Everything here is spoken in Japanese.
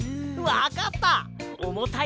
わかった！